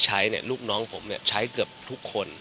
ลูกน้องผมใช้เกือบทุกคน